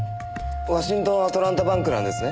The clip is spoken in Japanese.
ワシントン・アトランタ・バンクなんですね？